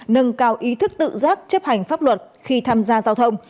nâng cao ý thức tự giác chấp hành pháp luật khi tham gia giao thông